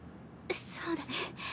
そうだね。